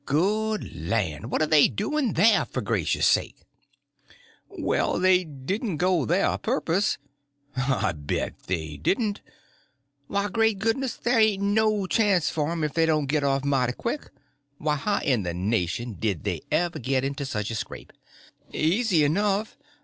"Good land! what are they doin' there, for gracious sakes?" "Well, they didn't go there a purpose." "I bet they didn't! Why, great goodness, there ain't no chance for 'em if they don't git off mighty quick! Why, how in the nation did they ever git into such a scrape?" "Easy enough.